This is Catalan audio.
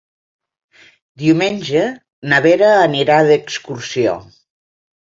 Diumenge na Vera anirà d'excursió.